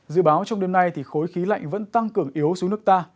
dự báo trong đêm nay thì khối khí lạnh vẫn tăng cường yếu xuống nước ta